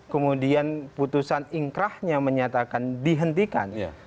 kemudian putusan ingkrahnya menyatakan dihentikan